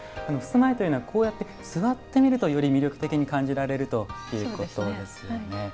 襖絵というのはこうやって座って見るとより魅力的に感じられるということですよね。